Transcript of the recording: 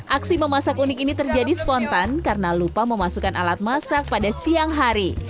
aksi memasak unik ini terjadi spontan karena lupa memasukkan alat masak pada siang hari